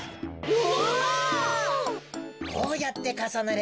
お！